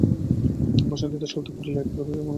বাসন্তী দাশগুপ্ত পুরুলিয়া এক পরিবারে জন্মগ্রহণ করেন।